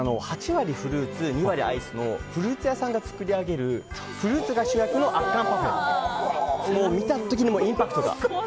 ８割フルーツ２割アイスのフルーツ屋さんが作り上げるフルーツが主役の圧巻パフェ。